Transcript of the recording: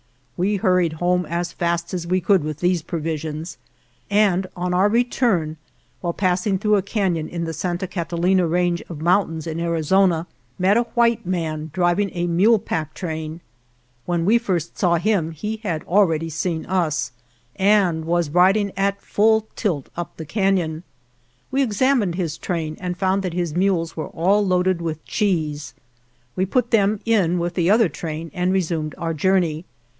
We hurried home as fast as we could with these provisions, and on our re turn while passing through a canon in the Santa Catilina range of mountains in Ari zona, met a white man driving a mule pack 69 f GERONIMO train. When we first saw him he had al ready seen us, and was riding at full tilt up the canon. We examined his train and found that his mules were all loaded with cheese. We put them in with the other train and resumed our journey.